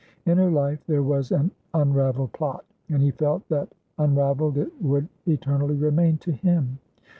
In her life there was an unraveled plot; and he felt that unraveled it would eternally remain to him.